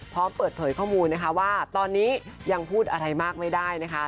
พร้อมเปิดเผยข้อมูลนะคะว่าตอนนี้ยังพูดอะไรมากไม่ได้นะคะ